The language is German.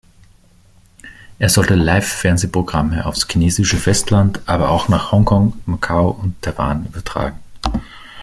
Er sollte Live-Fernsehprogramme aufs chinesische Festland, aber auch nach Hongkong, Macau und Taiwan übertragen.